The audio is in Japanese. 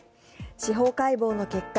司法解剖の結果